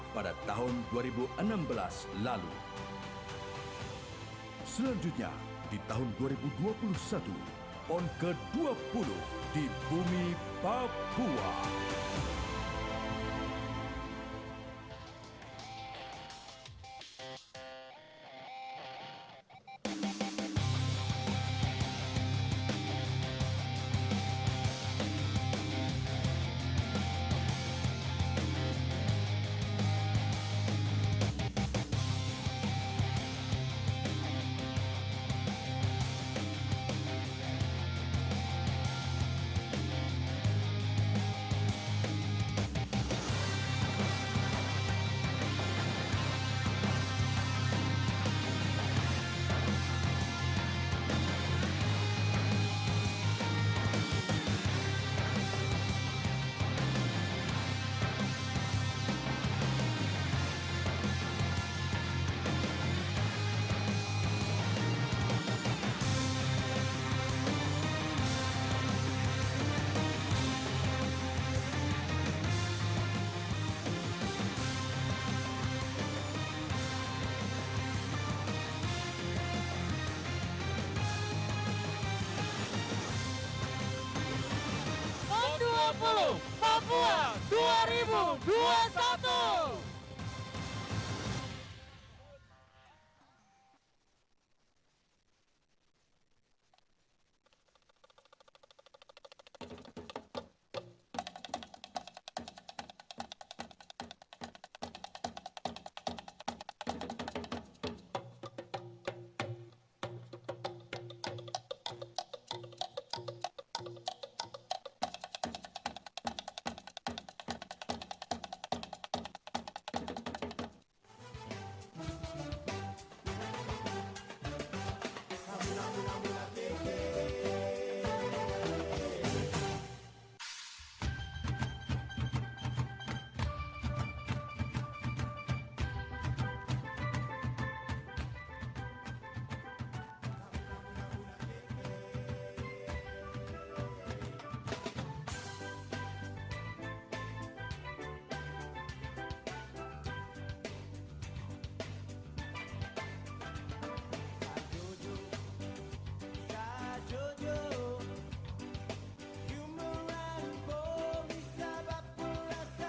pon ke sembilan di kota bandung